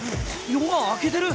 夜が明けてる。